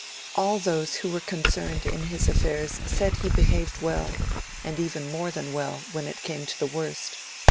All those who were concerned in his affairs said he behaved well, and even more than well, when it came to the worst.